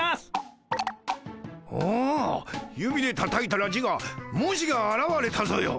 おお指でたたいたら字が文字があらわれたぞよ！